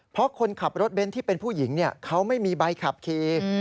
เพราะคนขับรถเบนท์ที่เป็นผู้หญิงเขาไม่มีใบขับขี่